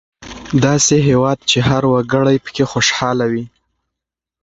داسې هېواد چې هر وګړی پکې خوشحاله وي.